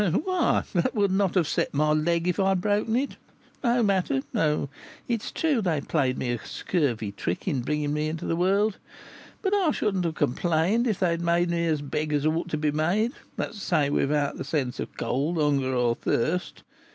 "Why, that would not have set my leg if I had broken it! No matter; though it's true they played me a scurvy trick in bringing me into the world. But I should not have complained if they had made me as beggars ought to be made; that is to say, without the sense of cold, hunger, or thirst.